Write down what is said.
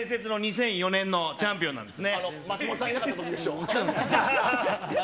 伝説の２００４年のチャンピオンなんですね。